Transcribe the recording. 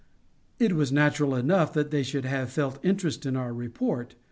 It was natural enough that they should have felt interested in our report.